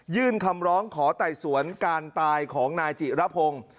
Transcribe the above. คำร้องขอไต่สวนการตายของนายจิระพงศ์